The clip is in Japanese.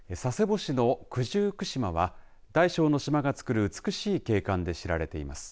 佐世保市の九十九島は大小の島が作る美しい景観で知られています。